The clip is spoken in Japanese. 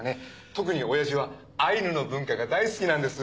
特に親父はアイヌの文化が大好きなんです。